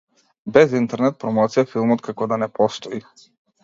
Без интернет промоција филмот како да не постои.